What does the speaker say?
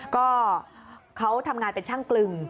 ก็เขาทำงานเป็นช่างกลึง